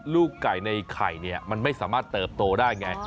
ลูกไก่ในไข่เนี่ยมันไม่สามารถเติบโตได้ไง